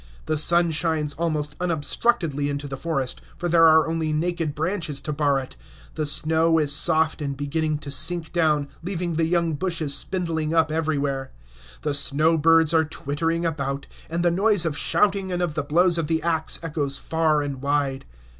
The sun shines almost unobstructedly into the forest, for there are only naked branches to bar it; the snow is soft and beginning to sink down, leaving the young bushes spindling up everywhere; the snowbirds are twittering about, and the noise of shouting and of the blows of the axe echoes far and wide.